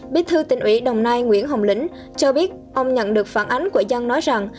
bí thư tỉnh ủy đồng nai nguyễn hồng lĩnh cho biết ông nhận được phản ánh của dân nói rằng